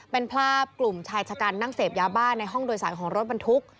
เป็นภาพกลุ่มชายชะกันนั่งเสพยาบ้าในห้องโดยสารของรถบรรทุก